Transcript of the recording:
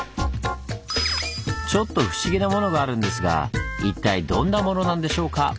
ちょっと不思議なものがあるんですが一体どんなものなんでしょうか？